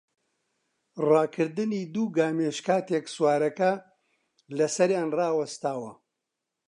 ڕاکردنی دوو گامێش کاتێک سوارەکە لەسەریان ڕاوەستاوە